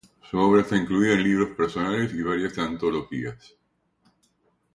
Su obra está incluida en libros personales y varias antologías.